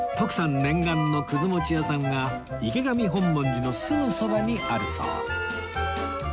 念願のくず餅屋さんが池上本門寺のすぐそばにあるそう